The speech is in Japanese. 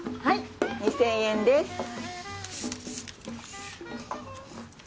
はい２，０００円です。